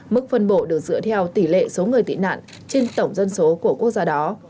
mức phân bổ được dựa theo tỷ lệ số người tị nạn trên tổng dân số của quốc gia đó